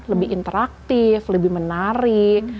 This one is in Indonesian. lebih interaktif lebih menarik